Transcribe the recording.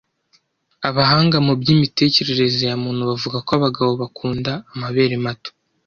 Abahanga mu by'imitekerereze ya muntu bavuga ko abagabo bakunda amabere mato